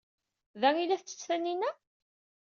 D acu ay la tettett Taninna?